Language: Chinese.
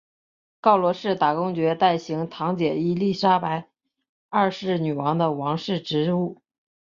告罗士打公爵代行堂姐伊利莎伯二世女王的王室职务。